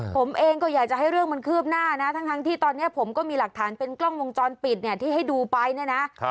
ผมเองก็อยากจะให้เรื่องมันคืบหน้านะทั้งที่ตอนนี้ผมก็มีหลักฐานเป็นกล้องวงจรปิดเนี่ยที่ให้ดูไปเนี่ยนะ